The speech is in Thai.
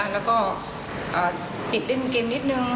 แล้วก็ติดลิ่นกินนิดหนึ่ง